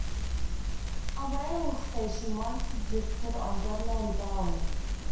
A whaling station once existed on Deadman's Island.